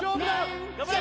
頑張れ！